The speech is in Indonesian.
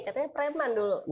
katanya preman dulu